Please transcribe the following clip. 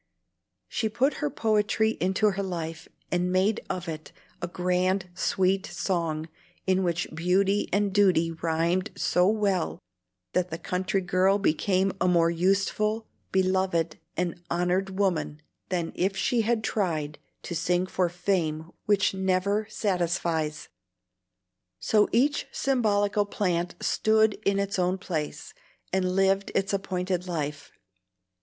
She put her poetry into her life, and made of it "a grand sweet song" in which beauty and duty rhymed so well that the country girl became a more useful, beloved, and honored woman than if she had tried to sing for fame which never satisfies. So each symbolical plant stood in its own place, and lived its appointed life.